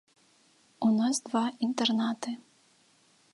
У нас два інтэрнаты.